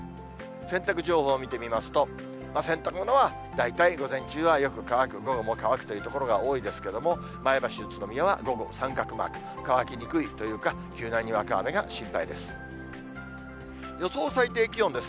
洗濯情報を見てみますと、洗濯物は、大体午前中はよく乾く、午後も乾くという所が多いですけれども、前橋、宇都宮は午後三角マーク、乾きにくいというか、急なにわか雨が心配です。